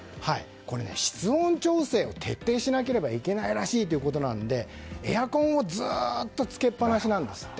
室温調整を徹底しなければいけないらしいのでエアコンがずっとつけっぱなしなんですって。